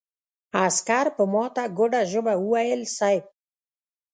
عسکر په ماته ګوډه ژبه وويل: صېب!